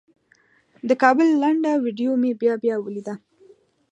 د کابل لنډه ویډیو مې بیا بیا ولیده.